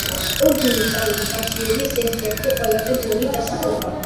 ოძუნი ტაშირის ერთ-ერთი ყველაზე ძველი დასახლებაა.